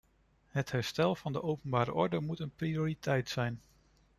Het herstel van de openbare orde moet een prioriteit zijn.